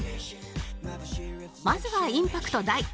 まずはインパクト大！